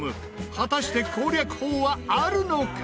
果たして攻略法はあるのか？